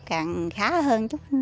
càng khá hơn